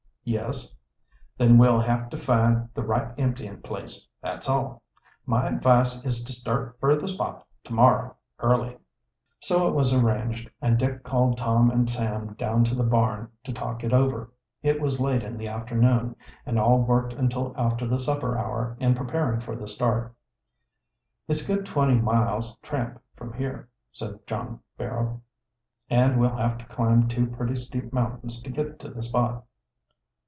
"Yes." "Then we'll have to find the right emptyin' place, that's all. My advice is to start fer the spot to morrow early." So it was arranged, and Dick called Tom and Sam down to the barn to talk it over. It was late in the afternoon, and all worked until after the supper hour in preparing for the start. "It's a good twenty miles' tramp from here," said John Barrow, "and we'll have to climb two pretty steep mountains to get to the spot."